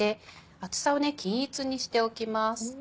厚さを均一にしておきます。